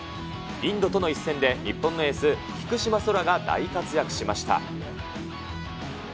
インドとの一戦で、日本のエース、菊島宙が、大活躍しました。